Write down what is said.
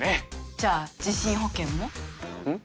じゃあ地震保険も？ん？